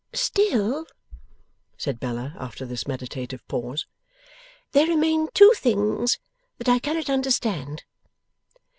'Still,' said Bella, after this meditative pause, 'there remain two things that I cannot understand.